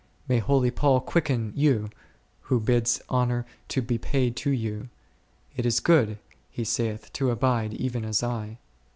May holy Paul quicken you, who bids honour to be paid to you ; it is good, he saith, to abide even as I.